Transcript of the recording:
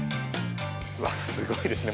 うわ、すごいですね。